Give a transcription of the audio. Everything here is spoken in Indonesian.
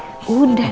keisha udah siap